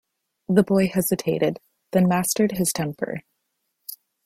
The boy hesitated, then mastered his temper.